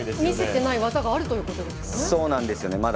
見せてない技があるということですよね？